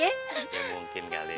ya mungkin kali ya